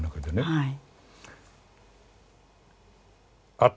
はい。